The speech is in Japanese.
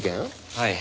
はい。